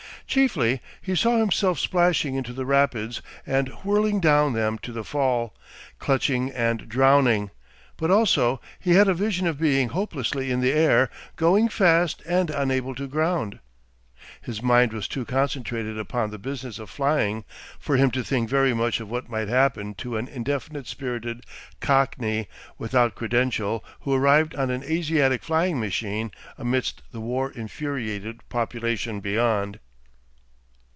Chiefly he saw himself splashing into the rapids and whirling down them to the Fall, clutching and drowning, but also he had a vision of being hopelessly in the air, going fast and unable to ground. His mind was too concentrated upon the business of flying for him to think very much of what might happen to an indefinite spirited Cockney without credential who arrived on an Asiatic flying machine amidst the war infuriated population beyond.